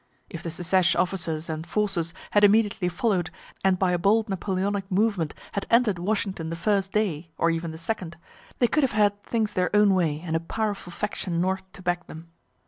If the secesh officers and forces had immediately follow'd, and by a bold Napoleonic movement had enter'd Washington the first day, (or even the second,) they could have had things their own way, and a powerful faction north to back them.